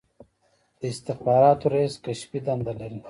د استخباراتو رییس کشفي دنده لري